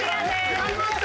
やりました！